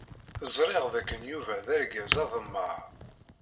Ẓriɣ dakken Yuba d argaz aḍemmaɛ.